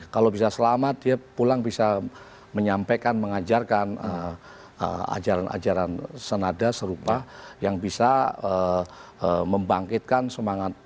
kalau bisa selamat dia pulang bisa menyampaikan mengajarkan ajaran ajaran senada serupa yang bisa membangkitkan semangat